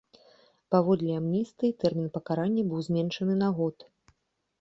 Паводле амністыі тэрмін пакарання быў зменшаны на год.